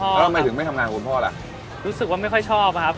แล้วทำไมถึงไม่ทำงานกับคุณพ่อล่ะรู้สึกว่าไม่ค่อยชอบอะครับ